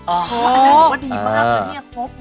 อาจจะรู้ว่าดีมากว่านี้ครบหมด